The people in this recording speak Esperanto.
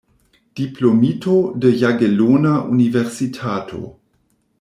Diplomito de Jagelona Universitato.